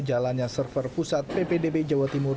jalannya server pusat ppdb jawa timur